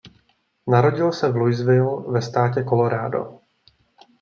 Narodil se v Louisville ve státě Colorado.